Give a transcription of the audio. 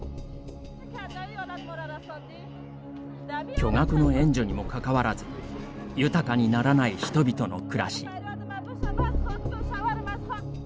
巨額の援助にもかかわらず豊かにならない人々の暮らし。